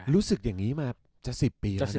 รู้สึกอย่างนี้มาจะ๑๐ปีแล้วสิ